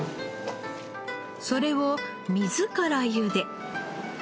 それを水からゆで。